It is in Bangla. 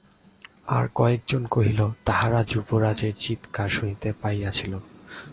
আর কয়েক জন কহিল, তাহারা যুবরাজের চীৎকার শুনিতে পাইয়াছিল।